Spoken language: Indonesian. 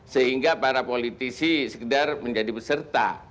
sehingga para politisi sekedar menjadi peserta